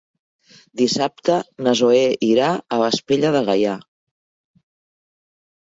Dissabte na Zoè irà a Vespella de Gaià.